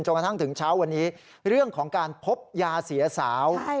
กระทั่งถึงเช้าวันนี้เรื่องของการพบยาเสียสาว